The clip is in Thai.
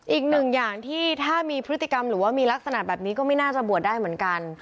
อีกหนึ่งอย่างที่ถ้ามีพฤติกรรมหรือว่ามีลักษณะแบบนี้ก็ไม่น่าจะบวชได้เหมือนกัน